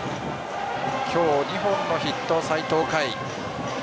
今日２本のヒット、齊藤海。